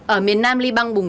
ở miền nam liban